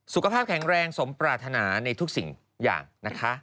สุขภาพแข็งแรงสมปรารถนาในทุกสิ่งอย่างนะคะ